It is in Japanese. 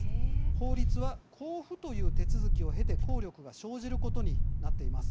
法律は公布という手続きを経て効力が生じることになっています。